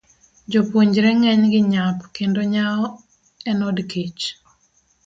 Jopuonjre ng'enygi nyap kendo nyao en od kech.